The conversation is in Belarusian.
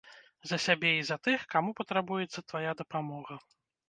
За сябе і за тых, каму патрабуецца твая дапамога.